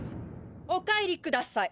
お帰りください。